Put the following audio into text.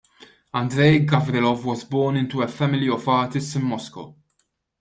Andrei Gavrilov was born into a family of artists in Moscow.